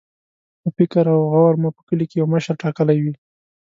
په فکر او غور مو په کلي کې یو مشر ټاکلی وي.